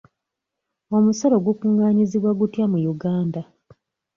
Omusolo gukungaanyizibwa gutya mu Uganda?